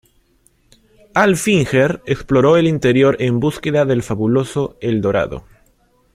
Alfinger exploró el interior en búsqueda del fabuloso El Dorado.